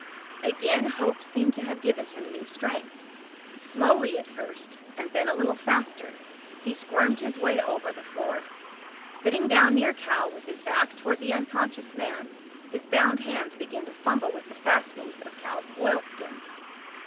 Again hope seemed to have given him new strength. Slowly at first, and then a little faster, he squirmed his way over the floor. Sitting down near Cal, with his back toward the unconscious man, his bound hands began to fumble with the fastenings of Cal's oilskins.